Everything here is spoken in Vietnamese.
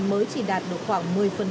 mới chỉ đạt được khoảng một mươi